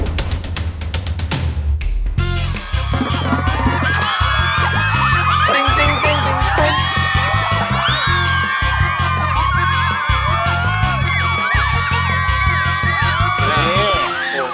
จริง